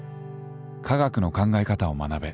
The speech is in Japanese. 科学の考え方を学べ。